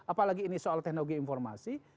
apalagi ini soal teknologi informasi